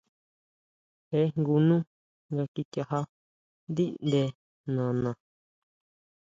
Je jngu nú nga kichajá ndíʼnde nana .